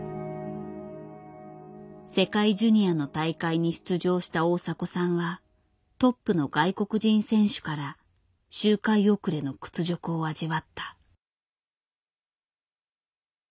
世界ジュニアの大会に出場した大迫さんはトップの外国人選手から周回遅れの屈辱を味わった。